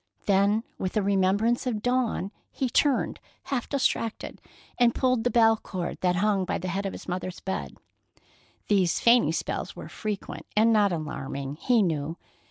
Then, with a remembrance of Dawn, he turned, half distracted, and pulled the bell cord that hung by the head of his mother's bed. These fainting spells were frequent and not alarming, he knew.